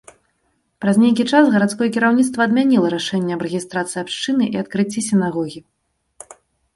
Праз нейкі час гарадское кіраўніцтва адмяніла рашэнне аб рэгістрацыі абшчыны і адкрыцці сінагогі.